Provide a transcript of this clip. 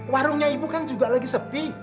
warungnya ibu kan juga lagi sepi